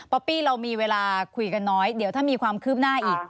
ปี้เรามีเวลาคุยกันน้อยเดี๋ยวถ้ามีความคืบหน้าอีก